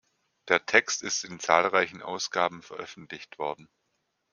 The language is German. Der Text ist in zahlreichen Ausgaben veröffentlicht worden.